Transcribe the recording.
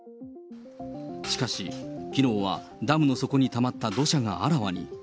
しかし、きのうはダムの底にたまった土砂があらわに。